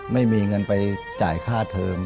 ไม่มีเงินไปจ่ายค่าเทอม